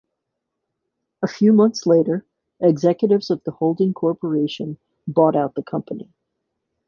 A few months later, executives of the holding corporation bought out the company.